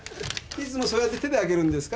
いつもそうやって手で開けるんですか？